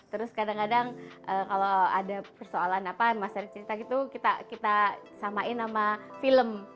terus kadang kadang kalau ada persoalan apa mas erick cerita gitu kita samain sama film